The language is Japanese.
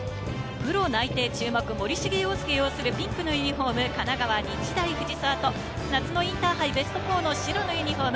プロ内定、注目・森重陽介擁するピンクのユニホーム、神奈川・日大藤沢と、夏のインターハイベスト４の白のユニホーム